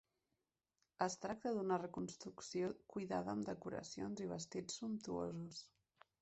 Es tracta d'una reconstitució cuidada amb decoracions i vestits sumptuosos.